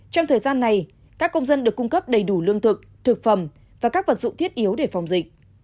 trong thời gian này các công dân được cung cấp đầy đủ lương thực thực phẩm và các vật dụng thiết yếu để phòng dịch